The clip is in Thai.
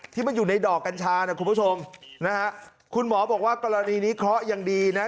ที่มันอยู่ในดอกกัญชานะคุณผู้ชมนะฮะคุณหมอบอกว่ากรณีนี้เคราะห์ยังดีนะ